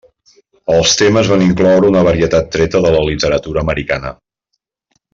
Els temes van incloure una varietat treta de la literatura americana.